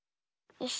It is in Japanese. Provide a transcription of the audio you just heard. よし。